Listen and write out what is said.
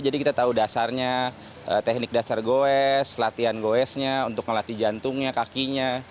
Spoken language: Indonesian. jadi kita tahu dasarnya teknik dasar goes latihan goesnya untuk ngelatih jantungnya kakinya